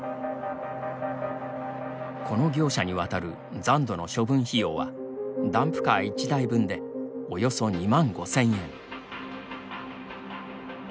この業者に渡る残土の処分費用はダンプカー１台分でおよそ２万５０００円。